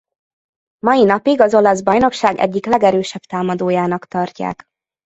Mai napig az olasz bajnokság egyik legerősebb támadójának tartják.